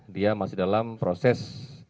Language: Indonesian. dia masih dalam proses